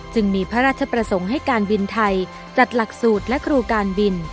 จึงมีพระราชประสงค์ให้การบินไทยจัดหลักสูตรและครูการบิน